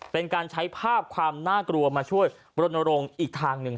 เป็นการใช้ภาพความน่ากลัวมาช่วยบรณรงค์อีกทางหนึ่ง